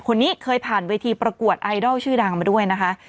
คนนี้เคยผ่านเวทีประกวดไอดอลชื่อดังมาด้วยนะคะ